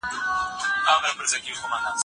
موږ په هوایی ډګر کې یو بل سره ولیدل.